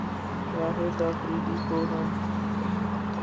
شاہد فریدی کو ہم